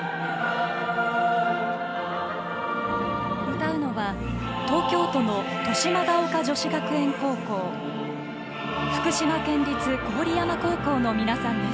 歌うのは、東京都の豊島岡女子学園高校福島県立郡山高校の皆さんです。